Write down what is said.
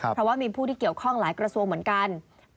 เพราะว่ามีผู้ที่เกี่ยวข้องหลายกระทรวงเหมือนกัน